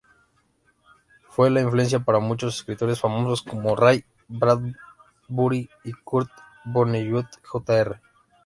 Fue la influencia para muchos escritores famosos como Ray Bradbury y Kurt Vonnegut, Jr.